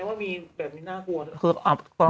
หมายถึงว่ามีแบบนี้น่ากลัวนะ